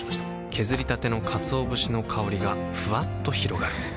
削りたてのかつお節の香りがふわっと広がるはぁ。